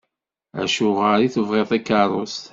Acuɣer i tebɣiḍ takerrust?